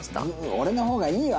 俺の方がいいよ